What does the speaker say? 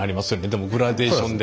でもグラデーションで。